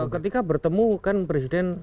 ketika bertemu kan presiden